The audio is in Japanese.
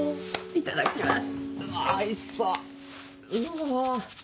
いただきます。